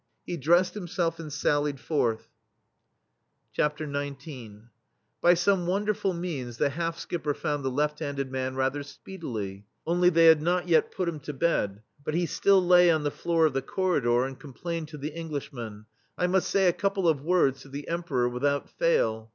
He dressed himself and sallied forth. THE STEEL FLEA XIX By some wonderful means the half skipper found the left handed man rather speedily, only they had not yet put him to bed, but he still lay on the floor of the corridor and complained to the Englishman: "I must say a couple of words to the Emperor without fail."